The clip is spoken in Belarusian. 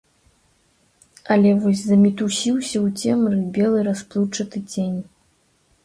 Але вось замітусіўся ў цемры белы расплыўчаты цень.